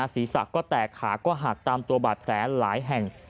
ศีรษะก็แตกขาก็หักตามตัวบาดแผลหลายแห่ง